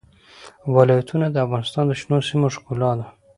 ولایتونه د افغانستان د شنو سیمو ښکلا ده.